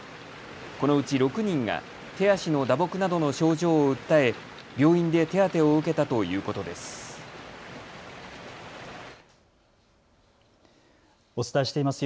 このうち６人が手足の打撲などの症状を訴え病院で手当てを受けたということです。